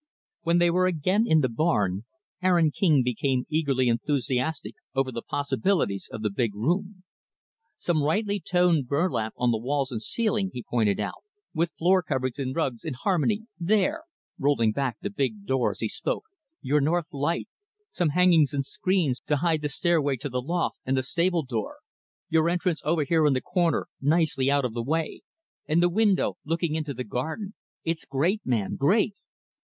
When they were again in the barn, Aaron King became eagerly enthusiastic over the possibilities of the big room. "Some rightly toned burlap on the walls and ceiling," he pointed out, "with floor covering and rugs in harmony; there" rolling back the big door as he spoke "your north light; some hangings and screens to hide the stairway to the loft, and the stable door; your entrance over here in the corner, nicely out of the way; and the window looking into the garden it's great man, great!"